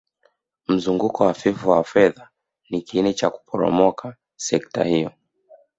Mzunguko hafifu wa fedha ni kiini cha kuporomoka sekta hiyo